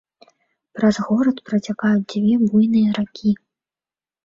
Праз горад працякаюць дзве буйныя ракі.